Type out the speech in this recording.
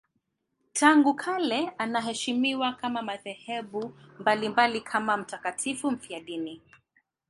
Tangu kale anaheshimiwa na madhehebu mbalimbali kama mtakatifu mfiadini.